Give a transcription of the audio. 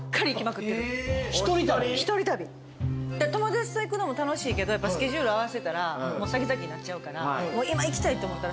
友達と行くのも楽しいけどスケジュール合わしてたらさきざきになっちゃうから今行きたいって思ったらすぐ行きたいので。